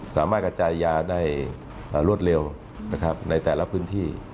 สามารถกระจายยาได้เอ่อรวดเร็วนะครับในแต่ละพื้นที่